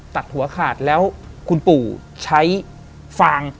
ตัดหัวขาดแล้วคุณปู่ใช้ฟาง